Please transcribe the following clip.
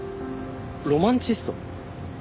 ロマンチスト？